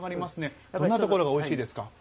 どんなところがおいしいですか？